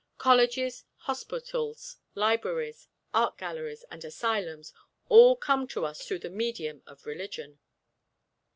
Colleges, hospitals, libraries, art galleries and asylums, all come to us through the medium of religion.